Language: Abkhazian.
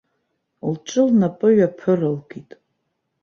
Лҿы лнапы ҩаԥыралкит.